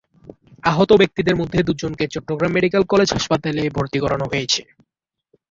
আহত ব্যক্তিদের মধ্যে দুজনকে চট্টগ্রাম মেডিকেল কলেজ হাসপাতালে ভর্তি করা হয়েছে।